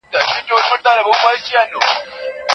ښوونځي د ماشومانو پر روغتیا څه اغیزه لري؟